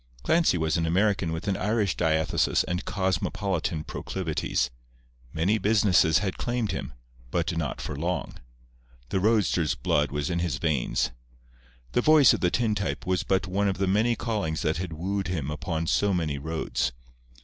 Clancy was an American with an Irish diathesis and cosmopolitan proclivities. Many businesses had claimed him, but not for long. The roadster's blood was in his veins. The voice of the tintype was but one of the many callings that had wooed him upon so many roads.